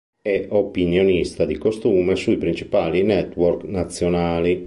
È opinionista di costume sui principali network nazionali.